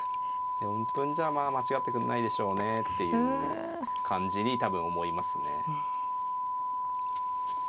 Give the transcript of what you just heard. ４分じゃあまあ間違ってくれないでしょうねっていう感じに多分思いますね。